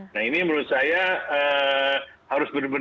nah ini menurut saya harus berhubungan